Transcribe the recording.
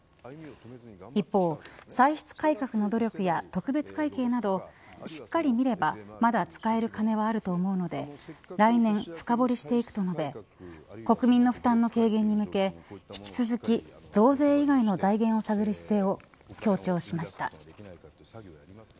一方、歳出改革の努力や特別会計などしっかり見ればまだ使える金はあると思うので来年、深堀りしていくと述べ国民の負担の軽減に向け引き続き、増税以外の財源を探る姿勢を強調しました。